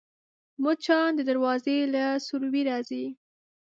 مچان د دروازې له سوري راځي